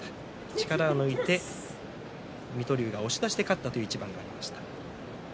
力を抜いて水戸龍が押し出しで勝ったという一番がありました。